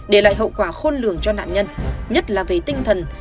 để lại hậu quả khôn lường cho nạn nhân nhất là về tinh thần